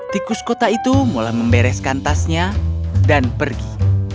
tikus kota itu mulai membereskan tasnya dan pergi